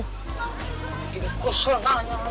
gini kesel nanya lagi